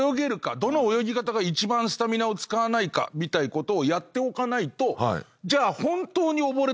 どの泳ぎ方が一番スタミナを使わないかみたいなことをやっておかないとじゃあ。